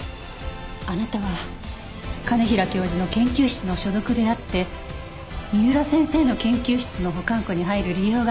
あなたは兼平教授の研究室の所属であって三浦先生の研究室の保管庫に入る理由がない。